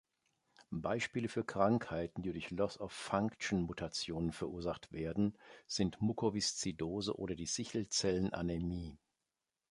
Beispiele für Krankheiten, die durch Loss-of-Function-Mutationen verursacht werden, sind Mukoviszidose oder die Sichelzellenanämie.